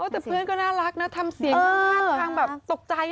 แต่เพื่อนก็น่ารักนะทำเสียงมากตกใจ